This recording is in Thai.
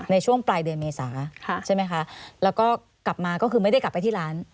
ในช่วงปลายเดือนเมษาใช่ไหมคะแล้วก็กลับมาก็คือไม่ได้กลับไปที่ร้าน